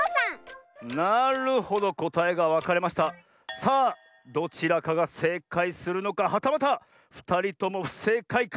さあどちらかがせいかいするのかはたまたふたりともふせいかいか。